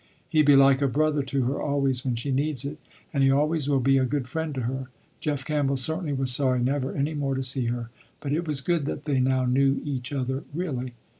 He be like a brother to her always, when she needs it, and he always will be a good friend to her. Jeff Campbell certainly was sorry never any more to see her, but it was good that they now knew each other really.